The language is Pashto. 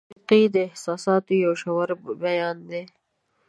موسیقي د احساساتو یو ژور بیان دی.